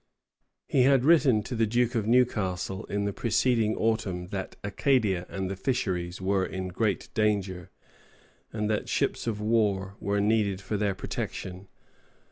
He had written to the Duke of Newcastle in the preceding autumn that Acadia and the fisheries were in great danger, and that ships of war were needed for their protection.